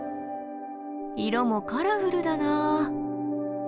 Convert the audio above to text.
色もカラフルだな。